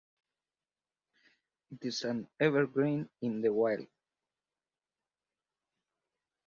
It is an evergreen in the wild.